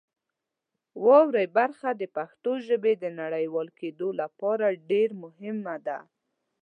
واورئ برخه د پښتو ژبې د نړیوالېدو لپاره ډېر مهمه ده.